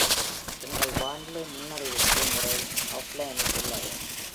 எங்கள் வானிலை முன்னறிவுப்பு முறை ஆப்ஃலைனில் உள்ளது.